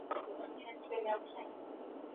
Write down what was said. Tukar hrawng cu tlangrai a tam ngai.